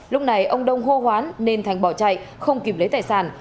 lúc này ông đông hô hoán nên thành bỏ chạy không kịp lấy tài sản